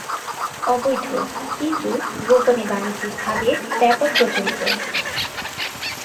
অবৈধ কিন্তু গোপনে বাণিজ্যিকভাবে ব্যাপক প্রচলিত।